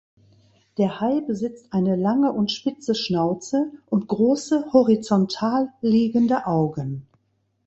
Der Hai besitzt eine lange und spitze Schnauze und große, horizontal liegende Augen.